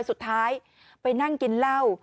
สุดท้ายไปนั่งกินเหล้า